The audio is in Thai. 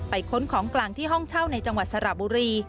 ค้นของกลางที่ห้องเช่าในจังหวัดสระบุรี